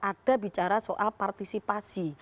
ada bicara soal partisipasi